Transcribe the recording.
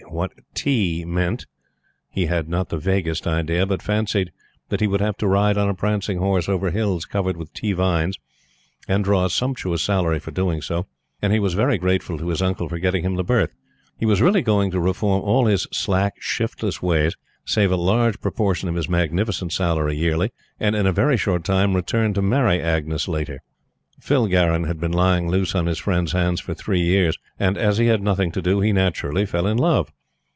What "tea" meant he had not the vaguest idea, but fancied that he would have to ride on a prancing horse over hills covered with tea vines, and draw a sumptuous salary for doing so; and he was very grateful to his uncle for getting him the berth. He was really going to reform all his slack, shiftless ways, save a large proportion of his magnificent salary yearly, and, in a very short time, return to marry Agnes Laiter. Phil Garron had been lying loose on his friends' hands for three years, and, as he had nothing to do, he naturally fell in love.